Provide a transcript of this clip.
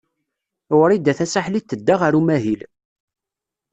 Wrida Tasaḥlit tedda ɣer umahil.